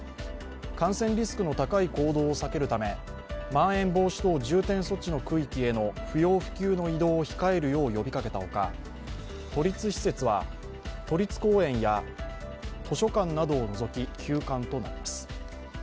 感染リスクの高い行動を避けるためまん延防止等重点措置の区域への不要不急の移動を控えるよう呼びかけた他、都立施設は都立公園や図書館などを除き休館となります。